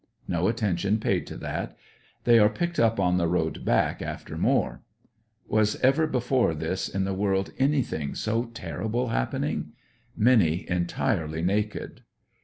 JNo atten tion paid to that; they are picked up on the road back after more. Was ever before in this world anything so terrible happening? Many entirely naked.